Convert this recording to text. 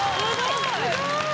すごい。